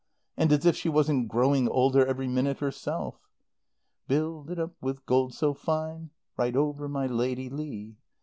And as if she wasn't growing older every minute herself! "'Build it up with gold so fine (Ride over my Lady Leigh!)